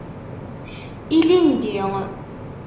Ilindi.